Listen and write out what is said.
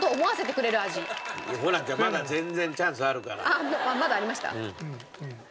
あっまだありました？